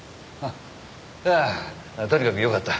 ああとにかくよかった。